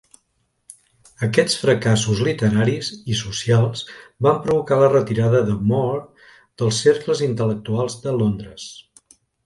Aquests fracassos literaris i socials van provocar la retirada de More dels cercles intel·lectuals de Londres.